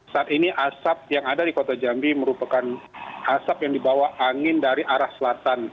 saat ini asap yang ada di kota jambi merupakan asap yang dibawa angin dari arah selatan